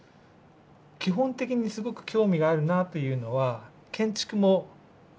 基本的にすごく興味があるなというのは建築も同じなんですね。